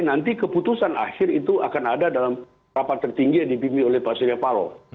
nanti keputusan akhir itu akan ada dalam rapat tertinggi yang dibimbing oleh pak surya paloh